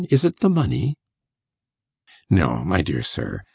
is it the money?' 'No, my dear sir.